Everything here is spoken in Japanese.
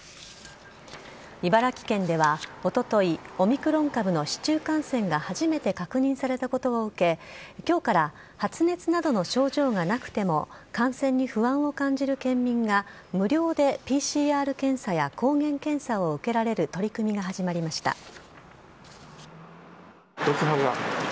茨城県ではおととい、オミクロン株の市中感染が初めて確認されたことを受け、きょうから発熱などの症状がなくても、感染に不安を感じる県民が、無料でＰＣＲ検査や抗原検査を受けられる取り組みが始まりました。